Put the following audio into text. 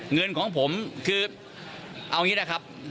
เงินของผมคือเอางี้นะครับ